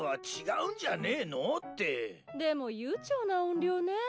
でも悠長な怨霊ね。